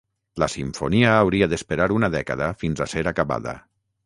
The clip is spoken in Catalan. La simfonia hauria d'esperar una dècada fins a ser acabada.